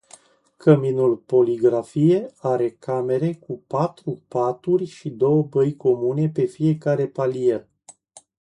Căminul Poligrafie are camere cu patru paturi și două băi comune pe fiecare palier.